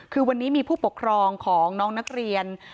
คือวันนี้มีผู้ปกครองของน้องนักเรียน